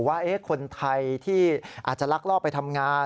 ว่าคนไทยที่อาจจะลักลอบไปทำงาน